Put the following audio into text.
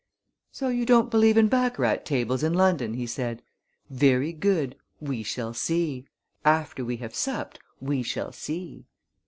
"So you don't believe in baccarat tables in London!" he said. "Very good! We shall see. After we have supped we shall see!"